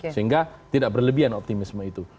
sehingga tidak berlebihan optimisme itu